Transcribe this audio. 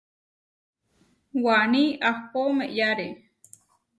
Waní ahpó meʼyare.